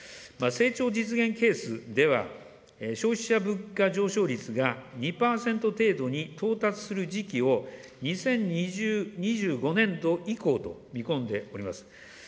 成長実現ケースでは消費者物価上昇率が２％程度に到達する時期を２０２５年度以降と見込んでおります。